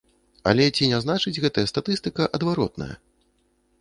Але ці не значыць гэтая статыстыка адваротнае?